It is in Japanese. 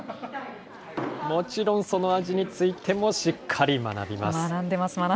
もちろん、その味についてもしっかり学びます。